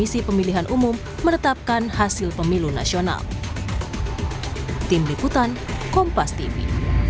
untuk membuktikan dugaan kecurangan pemilu di mahkamah konstitusi